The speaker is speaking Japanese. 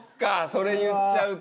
それ言っちゃうと。